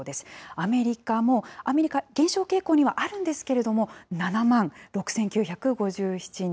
アメリカも、アメリカ、減少傾向にはあるんですけれども、７万６９５７人。